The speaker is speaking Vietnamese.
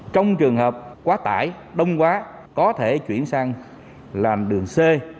trong trường hợp quá tải đông quá có thể chuyển sang làm đường c